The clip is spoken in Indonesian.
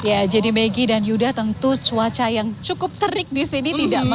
ya jadi megi dan yuda tentu cuaca yang cukup terik disini tidak menghadapi